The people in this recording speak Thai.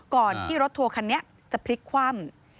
ก่อนที่รถทัวร์คันนี้จะพลิกคว่ำ